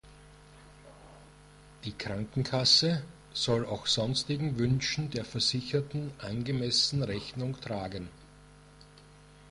Die Krankenkasse soll auch sonstigen Wünschen der Versicherten angemessen Rechnung tragen.